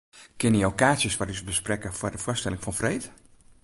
Kinne jo kaartsjes foar ús besprekke foar de foarstelling fan freed?